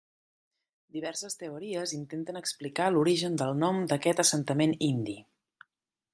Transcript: Diverses teories intenten explicar l'origen del nom d'aquest assentament indi.